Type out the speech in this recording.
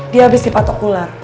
dia habis dipatok ular